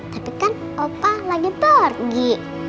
tapi kan opa lagi pergi